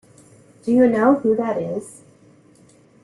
Do you know who that is?